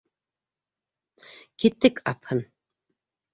— Киттек, апһын.